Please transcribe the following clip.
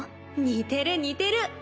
似てる似てる。